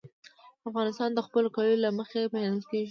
افغانستان د خپلو کلیو له مخې پېژندل کېږي.